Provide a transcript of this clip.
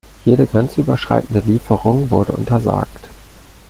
Jede grenzüberschreitende Lieferung wurde untersagt.